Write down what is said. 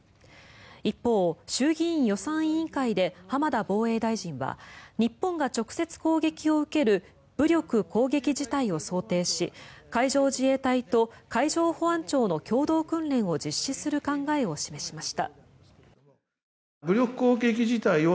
一方、衆議院予算委員会で浜田防衛大臣は日本が直接攻撃を受ける武力攻撃事態を想定し海上自衛隊と海上保安庁の共同訓練を実施する考えを示しました。